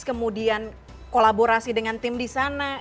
kemudian kolaborasi dengan tim disana